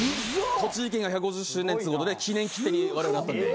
栃木県が１５０周年っつうことで記念切手にわれわれなったんで。